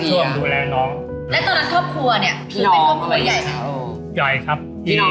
พี่น้องกินคน